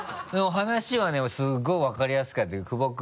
話はすごい分かりやすかったよ。